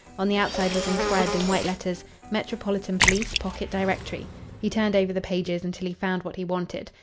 On the outside was inscribed in white letters: "Metropolitan Police. Pocket Directory." He turned over the pages until he found what he wanted.